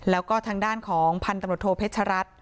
แล้วก็ทางด้านของพันธุ์ตำรวจโทเพชรัตน